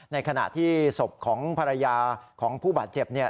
ในขณะที่ศพของภรรยาของผู้บาดเจ็บเนี่ย